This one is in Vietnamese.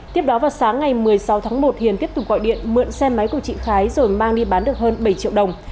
tiếp đó vào sáng ngày một mươi sáu tháng một hiền tiếp tục gọi điện mượn xe máy của chị khái rồi mang đi bán được hơn bảy triệu đồng